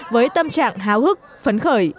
với tâm trạng háo hức phấn khởi